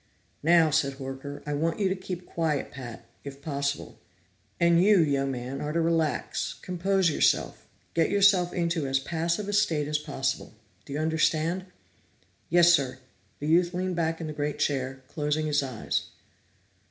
"Now," said Horker, "I want you to keep quiet, Pat if possible. And you, young man, are to relax, compose yourself, get yourself into as passive a state as possible. Do you understand?" "Yes, sir," The youth leaned back in the great chair, closing his eyes.